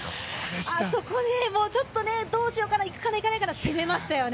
あそこね、もうちょっと、どうしようかな、いくかな、いかないかな、攻めましたよね。